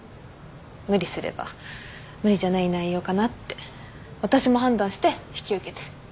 無理すれば無理じゃない内容かなって私も判断して引き受けて。